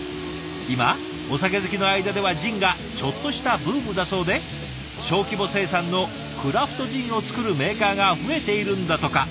今お酒好きの間ではジンがちょっとしたブームだそうで小規模生産のクラフトジンを作るメーカーが増えているんだとか。